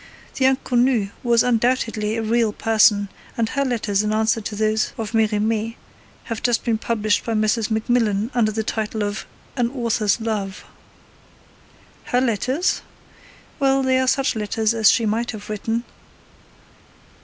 The Inconnue was undoubtedly a real person, and her letters in answer to those of Merimee have just been published by Messrs. Macmillan under the title of An Author's Love. Her letters? Well, they are such letters as she might have written.